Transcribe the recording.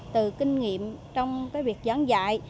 từ kinh nghiệm trong cái việc giảng dạy